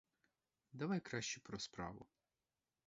Давай краще про справу.